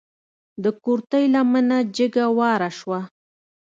د کورتۍ لمنه جګه واره شوه.